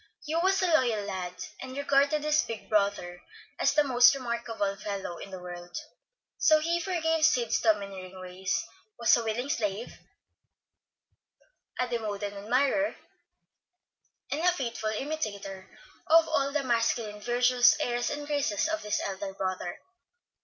Hugh was a loyal lad, and regarded his big brother as the most remarkable fellow in the world; so he forgave Sid's domineering ways, was a willing slave, a devoted admirer, and a faithful imitator of all the masculine virtues, airs, and graces of this elder brother.